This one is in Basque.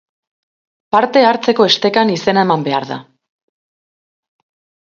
Parte hartzeko estekan izena eman behar da.